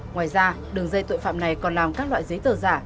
ngoài ra đường dây tội phạm này còn làm các loại giấy tờ giả